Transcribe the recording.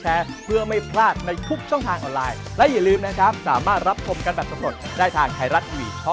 เหตุการณ์ครั้งหน้าก็คือเก็บไว้ให้มิดทิศ